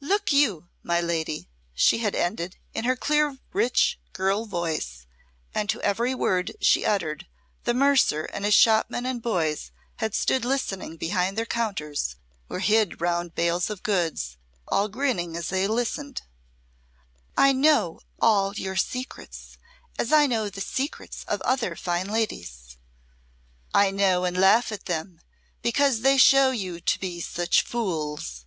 "Look you, my lady," she had ended, in her clear, rich girl voice and to every word she uttered the mercer and his shopmen and boys had stood listening behind their counters or hid round bales of goods, all grinning as they listened "I know all your secrets as I know the secrets of other fine ladies. I know and laugh at them because they show you to be such fools.